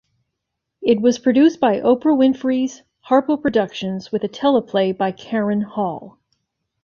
It was produced by Oprah Winfrey's Harpo Productions with a teleplay by Karen Hall.